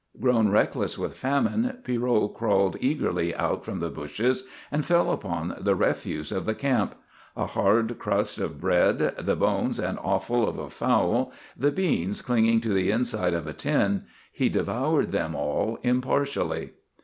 Grown reckless with famine, Pierrot crawled eagerly out from the bushes and fell upon the refuse of the camp. A hard crust of bread, the bones and offal of a fowl, the beans clinging to the inside of a tin he devoured them all impartially.